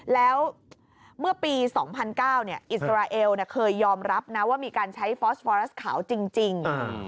แล้วเมื่อปี๒๐๐๙อิสราเอลเคยยอมรับนะว่ามีการใช้ฟอสวอรัสขาวจริง